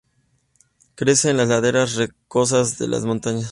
Crece en las laderas rocosas de las montañas.